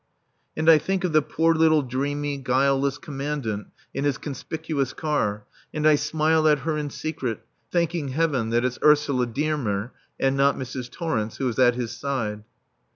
And I think of the poor little dreamy, guileless Commandant in his conspicuous car, and I smile at her in secret, thanking Heaven that it's Ursula Dearmer and not Mrs. Torrence who is at his side.